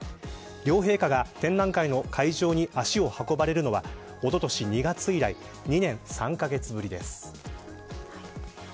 両陛下が展覧会の会場に足を運ばれるのはおととし、２月以来２年３カ月ぶりです。